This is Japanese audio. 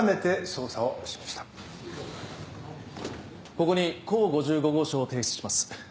ここに甲５５号証を提出します。